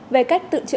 về cách tự dùng thuốc